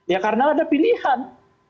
ya karena ada pilihan